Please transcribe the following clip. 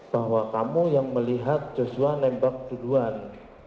bahwa kamu yang melihat joshua nembak duluan